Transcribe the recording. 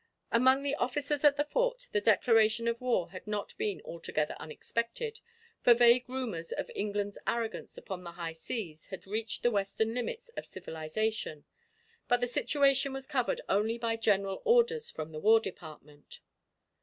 Among the officers at the Fort the declaration of war had not been altogether unexpected, for vague rumours of England's arrogance upon the high seas had reached the western limits of civilisation, but the situation was covered only by general orders from the War Department.